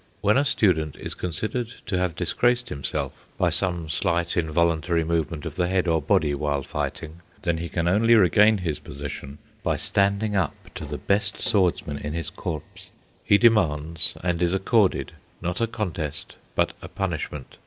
When a student is considered to have disgraced himself by some slight involuntary movement of the head or body while fighting, then he can only regain his position by standing up to the best swordsman in his Korps. He demands and is accorded, not a contest, but a punishment.